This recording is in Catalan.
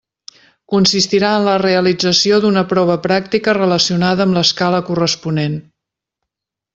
Consistirà en la realització d'una prova pràctica relacionada amb l'escala corresponent.